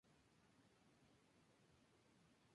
El edificio comprende varios grupos de ascensores.